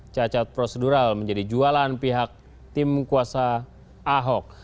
cacat prosedural menjadi jualan pihak tim kuasa ahok